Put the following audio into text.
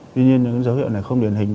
tuy nhiên những dấu hiệu này không điển hình